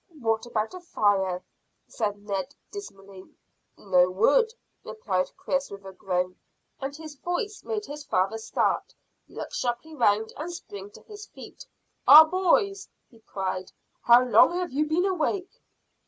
"What about a fire?" said Ned dismally. "No wood," replied Chris, with a groan, and his voice made his father start, look sharply round, and spring to his feet. "Ah, boys!" he cried. "How long have you been awake?"